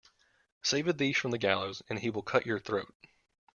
Save a thief from the gallows and he will cut your throat.